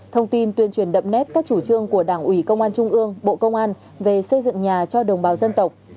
thông tin tuyên truyền đậm nét các chủ trương của đảng ủy công an trung ương bộ công an về xây dựng nhà cho đồng bào dân tộc